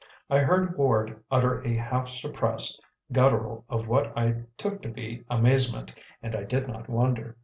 I heard Ward utter a half suppressed guttural of what I took to be amazement, and I did not wonder.